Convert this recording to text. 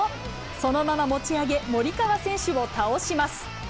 そのまま持ち上げ、森川選手を倒します。